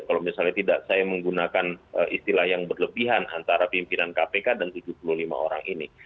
kalau misalnya tidak saya menggunakan istilah yang berlebihan antara pimpinan kpk dan tujuh puluh lima orang ini